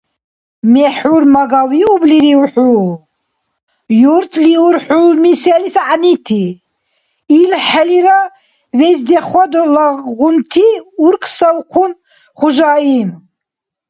— МехӀур-мага виублирив хӀу? Юртлиур хӀулми селис гӀягӀнити, илхӀелира вездеходлагъунти?! — уркӀсавхъун хужаим.